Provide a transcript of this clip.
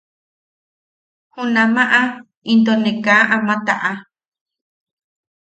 Junamaʼa into ne kaa ama taʼa.